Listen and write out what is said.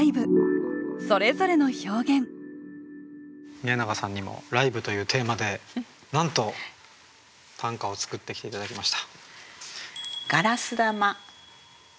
宮永さんにも「ライブ」というテーマでなんと短歌を作ってきて頂きました。